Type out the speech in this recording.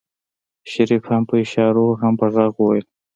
شريف هم په اشارو هم په غږ وويل.